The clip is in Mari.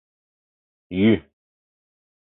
Йӱ...